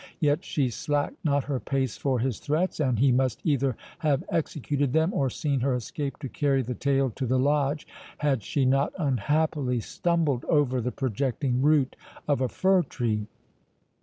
Yet she slacked not her pace for his threats, and he must either have executed them, or seen her escape to carry the tale to the Lodge, had she not unhappily stumbled over the projecting root of a fir tree.